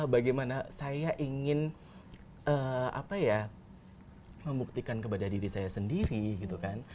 bagaimana saya ingin membuktikan kepada diri saya sendiri gitu kan